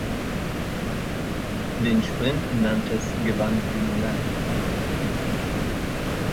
Den Sprint in Nantes gewann Dumoulin.